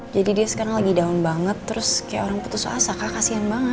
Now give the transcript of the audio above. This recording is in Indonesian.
jadi dia sekarang lagi down banget terus kayak orang putus asa kak kasihan banget